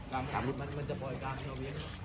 มันจะเป่ายด้าม